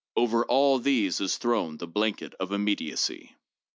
Over all these is thrown the blanket of immediacy.